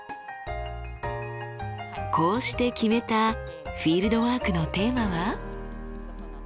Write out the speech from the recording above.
こうして決めたフィールドワークのテーマは？